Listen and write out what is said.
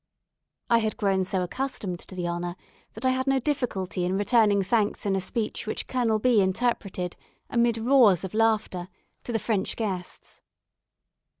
I had grown so accustomed to the honour that I had no difficulty in returning thanks in a speech which Colonel B interpreted amid roars of laughter to the French guests.